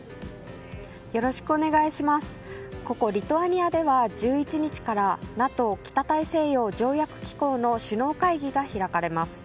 ここ、リトアニアでは１１日からＮＡＴＯ・北大西洋条約機構の首脳会議が開かれます。